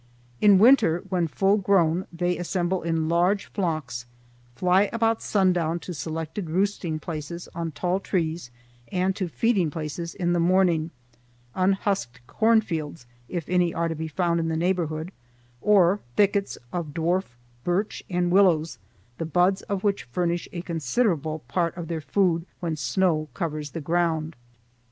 In winter, when full grown, they assemble in large flocks, fly about sundown to selected roosting places on tall trees, and to feeding places in the morning,—unhusked corn fields, if any are to be found in the neighborhood, or thickets of dwarf birch and willows, the buds of which furnish a considerable part of their food when snow covers the ground.